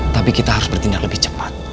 tapi kita harus bertindak lebih cepat